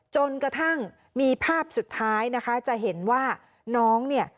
จนกระทั่งมีภาพสุดท้ายนะคะจะเห็นว่าน้องเนี่ย